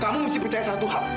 kamu mesti percaya satu hal